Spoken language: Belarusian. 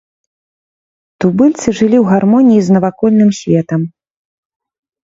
Тубыльцы жылі ў гармоніі з навакольным светам.